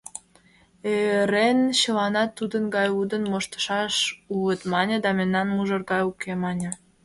Ӧӧрен «чыланат тудын гай лудын моштышаш улыт» мане да «мемнан мужыр гай уке» мане.